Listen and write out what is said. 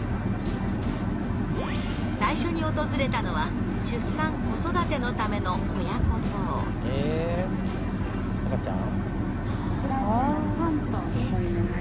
最初に訪れたのは出産・子育てのためのえ赤ちゃん？